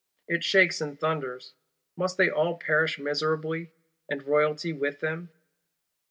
It shakes and thunders. Must they all perish miserably, and Royalty with them?